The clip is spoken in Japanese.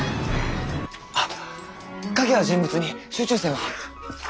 あっ影や人物に集中線は。